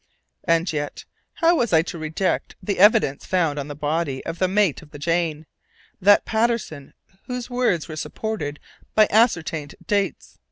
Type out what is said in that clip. And yet, how was I to reject the evidence found on the body of the mate of the Jane, that Patterson whose words were supported by ascertained dates?